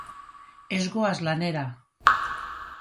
Ez goaz lanera.